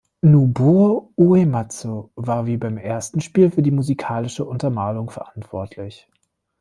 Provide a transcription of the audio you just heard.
Nobuo Uematsu war wie beim Spiel für die musikalische Untermalung verantwortlich.